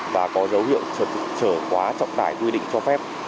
và có dấu hiệu trở quá trọng tải quy định cho phép